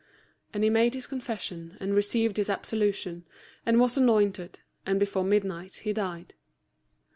And he made his confession, and received his absolution, and was anointed, and before midnight he died.